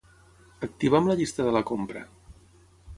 Activa'm la llista de la compra.